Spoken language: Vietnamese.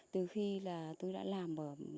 từ khi là tôi đã làm